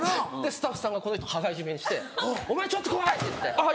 スタッフさんがこの人羽交い絞めにして「お前ちょっと来い！」って言ってあぁ